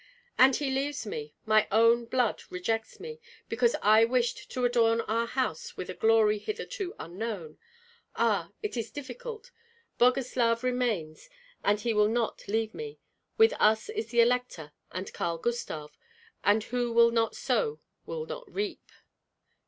"And he leaves me, my own blood rejects me, because I wished to adorn our house with a glory hitherto unknown! Ah! it is difficult! Boguslav remains, and he will not leave me. With us is the Elector and Karl Gustav; and who will not sow will not reap."